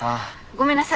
ごめんなさい。